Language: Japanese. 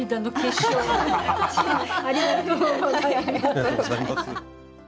ありがとうございます。